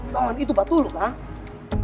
bangun itu batu lo kan